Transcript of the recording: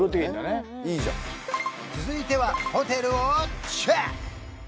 続いてはホテルをチェック！